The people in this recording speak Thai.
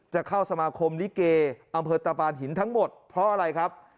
จะเข้าสมาคมลิเกอำเภอตะปานหินทั้งหมดเพราะอะไรครับ